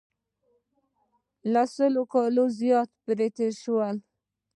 له سلو کالو زیات پرې تېر شول.